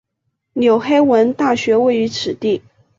纽黑文大学位于此地。